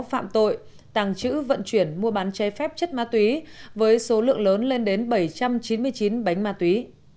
phạm tội tàng trữ vận chuyển mua bán che phép chất ma túy với số lượng lớn lên đến bảy trăm chín mươi chín bánh ma túy